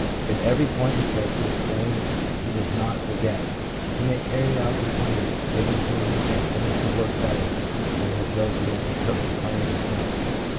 1 If every point is carefully explained and he does not forget, he may carry out the plan given to him and finish the work better than as though he undertook to plan it himself.